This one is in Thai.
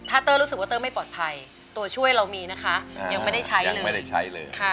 ถ้าเต้อรู้สึกว่าเต้อไม่ปลอดภัยตัวช่วยเรามีนะคะยังไม่ได้ใช้เลย